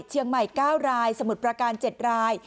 เชียงใหม่๙รายสมุทรประการ๗ราย